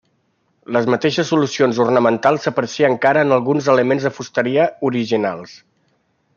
Les mateixes solucions ornamentals s'aprecia encara en alguns elements de fusteria original.